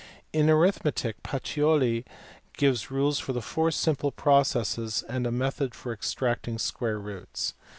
In the arithmetic Pacioli gives rules for the four simple processes, and a method for extracting square roots.